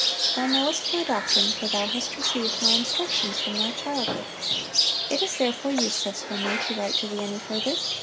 Thou knowest my doctrine, for thou hast received my instructions from thy childhood; it is therefore useless for me to write to thee any further.